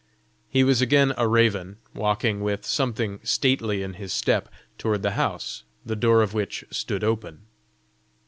He was again a raven, walking, with something stately in his step, toward the house, the door of which stood open.